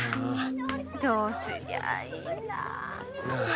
どうすりゃいいんだ。